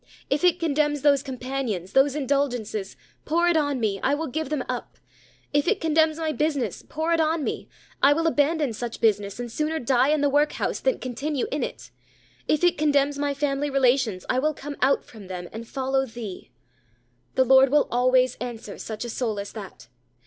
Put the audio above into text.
If it condemns those companions, those indulgences, pour it on me: I will give them up. If it condemns my business, pour it on me: I will abandon such business, and sooner die in the workhouse than continue in it. If it condemns my family relations, I will come out from them, and follow Thee." The Lord will always answer such a soul as that.